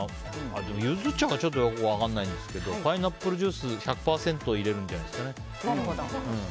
ユズ茶がよく分からないですがパイナップルジュース１００％入れるんじゃないんですか。